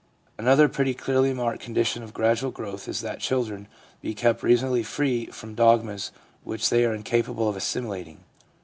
Another pretty clearly marked condition of gradual growth is that children be kept reasonably free from dogmas which they are incapable of assimilating.